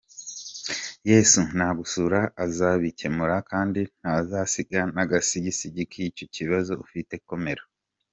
Yesu nagusura azabikemura kandi ntazasiga n’agasigisigi k’icyo kibazo ufite, komera.